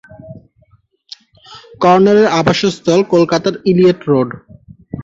কর্নেলের আবাসস্থল কলকাতার Eliot road.